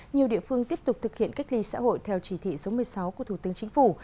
nhiều địa phương tiếp tục thực hiện cách ly xã hội theo chỉ thị số một mươi sáu của thủ tướng chính phủ